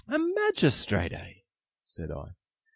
'A Magistrate, eh?' said I.